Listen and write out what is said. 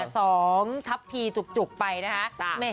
สองทัพพีจุกไปนะคะ